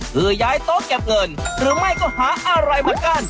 คือย้ายโต๊ะเก็บเงินหรือไม่ก็หาอะไรมากั้น